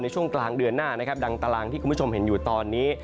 ช่วงกลางเดือนหน้านะครับดังตารางที่คุณผู้ชมเห็นอยู่ตอนนี้